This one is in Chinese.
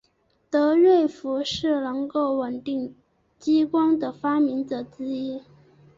德瑞福是能够稳定激光的的发明者之一。